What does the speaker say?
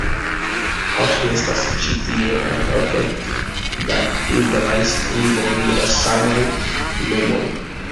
Ofte estas ĉi tie ankaŭ kelke da eblaj skriboj de la samaj nomoj.